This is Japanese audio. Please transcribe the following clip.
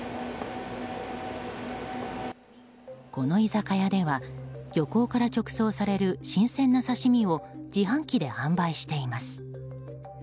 この居酒屋では、漁港から直送される新鮮な刺し身を自販機で販売しています。